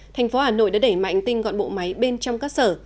tp hà nội đã đẩy mạnh tinh gọn bộ máy bên trong các sở